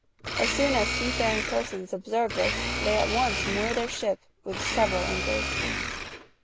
As soon as seafaring persons observe this, they at once moor their ship with several anchors.